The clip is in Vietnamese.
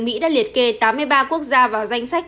mỹ đã liệt kê tám mươi ba quốc gia vào danh sách